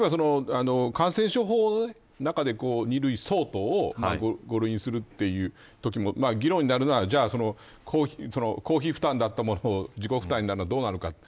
例えば、感染症法の中で２類相当を５類にするというときも議論になるのは公費負担だったものを自己負担になるのがどうなのか。